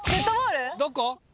どこ？